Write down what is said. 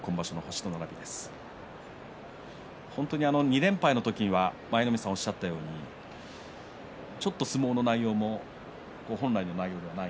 本当に２連敗の時には舞の海さんがおっしゃったようにちょっと相撲の内容も本来の内容ではない。